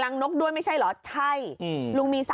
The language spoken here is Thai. แล้วมันไหม้ตรงนี้